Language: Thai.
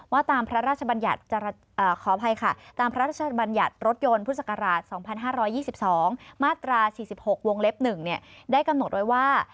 ว่าตามพระราชบัญญัติรถยนต์พุทธศักราช๒๕๒๒มาตรา๔๖วงเล็บ๑ได้กำหนดไว้ว่า